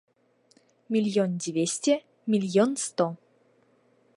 Мільён дзвесце, мільён сто!